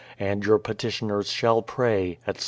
And your petitioners shall pray, etc.